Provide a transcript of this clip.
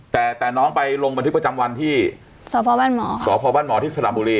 แต่แต่น้องไปลงบันทึกประจำวันที่สพบ้านหมอสพบ้านหมอที่สระบุรี